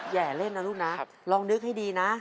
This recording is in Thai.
อย่าเล่นนะลูกนะลองนึกให้ดีนะ